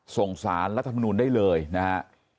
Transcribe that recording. ส่งสารรัฐมนูลได้เลยนะฮะ